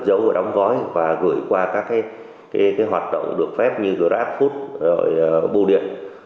dấu và đóng gói và gửi qua các hoạt động được phép như grab food rồi bù điện